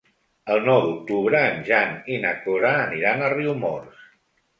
El nou d'octubre en Jan i na Cora aniran a Riumors.